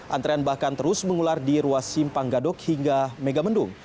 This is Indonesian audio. antrean bahkan terus mengular di ruas simpang gadok hingga megamendung